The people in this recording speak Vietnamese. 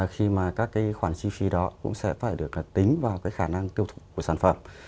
khi mà các cái khoản chi phí đó cũng sẽ phải được tính vào cái khả năng tiêu thụ của sản phẩm